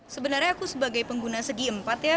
sebenarnya aku sebagai pengguna segi empat ya